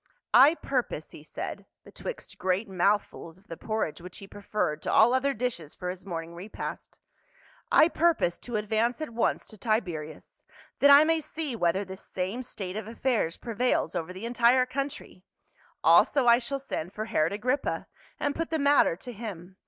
" I purpose," he said, betwixt great mouthfuls of the porridge which he preferred to all other dishes for his morning repast, " I purpose to advance at once to Tiberias, that I may see whether this same state of affairs prevails over the entire country ; also I shall send for Herod Agrippa and put the matter to him.